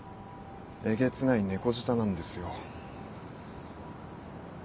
えげつない猫舌なんですよ。